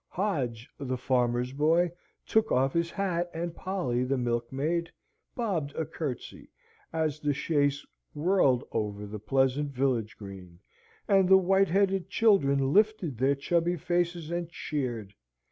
Hodge, the farmer's boy, took off his hat, and Polly, the milkmaid, bobbed a curtsey, as the chaise whirled over the pleasant village green, and the white headed children lifted their chubby faces and cheered.